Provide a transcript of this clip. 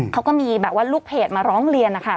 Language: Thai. เขาก็มีแบบว่าลูกเพจมาร้องเรียนนะคะ